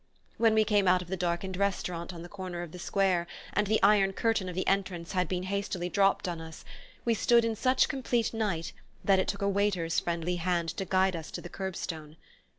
When we came out of the darkened restaurant on the corner of the square, and the iron curtain of the entrance had been hastily dropped on us, we stood in such complete night that it took a waiter's friendly hand to guide us to the curbstone.